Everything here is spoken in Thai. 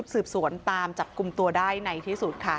ก็เลยถูกตำรวจชุดสวนตามจับกลุ่มตัวได้ในที่สุดค่ะ